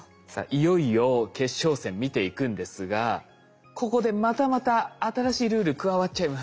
いよいよ決勝戦見ていくんですがここでまたまた新しいルール加わっちゃいます。